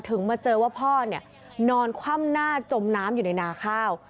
มาเจอว่าพ่อเนี่ยนอนคว่ำหน้าจมน้ำอยู่ในนาข้าว